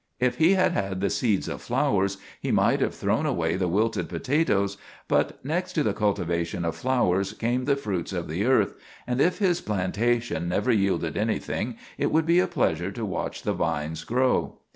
If he had had the seeds of flowers, he might have thrown away the wilted potatoes; but next to the cultivation of flowers came the fruits of the earth, and if his plantation never yielded anything, it would be a pleasure to watch the vines grow.